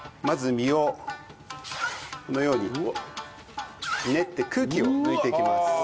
まず身をこのように練って空気を抜いていきます。